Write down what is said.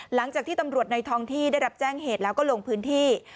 หลังจากที่ตำรวจในท้องที่ได้รับแจ้งเหตุแล้วก็ลงพื้นที่